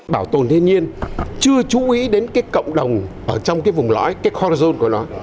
bảo tồn thiên nhiên chưa chú ý đến cái cộng đồng ở trong cái vùng lõi cái khorazone của nó